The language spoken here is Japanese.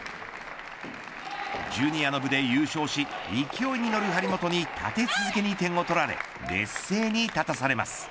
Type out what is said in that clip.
ジュニアの部で優勝し勢いに乗る張本に立て続けに点を取られ劣勢に立たされます。